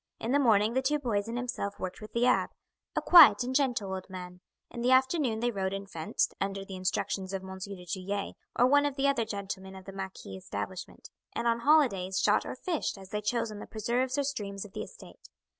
In the morning the two boys and himself worked with the abbe, a quiet and gentle old man; in the afternoon they rode and fenced, under the instructions of M. du Tillet or one or other of the gentlemen of the marquis establishment; and on holidays shot or fished as they chose on the preserves or streams of the estate.